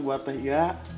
buat teh ya